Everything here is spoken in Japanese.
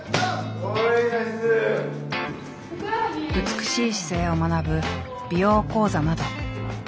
美しい姿勢を学ぶ美容講座など。